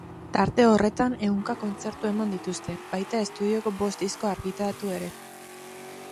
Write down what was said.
Tarte horretan ehunka kontzertu eman dituzte, baita estudioko bost disko argitaratu ere.